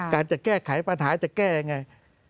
การจะแก้ไขปัญหาจะแก้อย่างไร